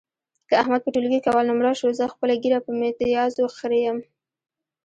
که احمد په ټولګي کې اول نمره شو، زه خپله ږیره په میتیازو خرېیم.